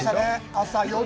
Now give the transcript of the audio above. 朝、夜。